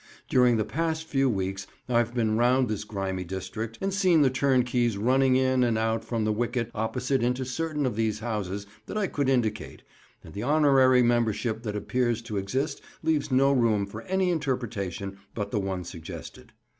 During the past few weeks I've been round this grimy district, and seen the turnkeys running in and out from the wicket opposite into certain of these houses that I could indicate, and the honorary membership that appears to exist leaves no room for any interpretation but the one suggested.